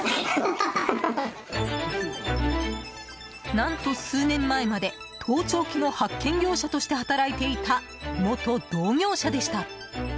何と、数年前まで盗聴器の発見業者として働いていた、元同業者でした。